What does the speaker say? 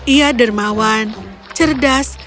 ia dermawan cerdas